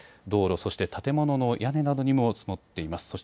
道路、そして建物の屋根などにも積もっています。